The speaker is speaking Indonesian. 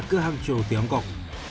ke hangzhou tiongkok